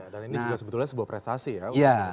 dan ini juga sebetulnya sebuah prestasi ya